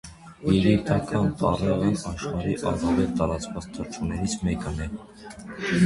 Եգիպտական տառեղն աշխարհի առավել տարածված թռչուններից մեկն է։